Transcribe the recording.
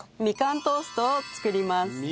みかんトーストを作ります。